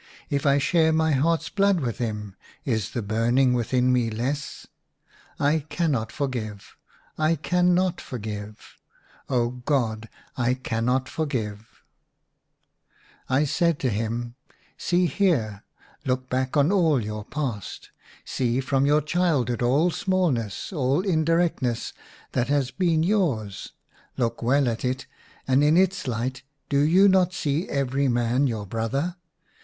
If I share my heart's blood with him, is the burning within me less } I cannot forgive ; I cannot forgive ! Oh, God, I cannot forgive !'" I said to him, * See here, look back on all your past. See from your child hood all smallness, all indirectness that has been yours ; look well at it, and in its light do you not see every man your brother